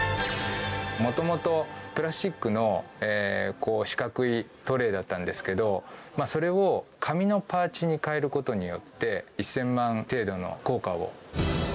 もともとプラスチックの四角いトレーだったんですけどそれを紙のパーチに変えることによって１０００万程度の効果を。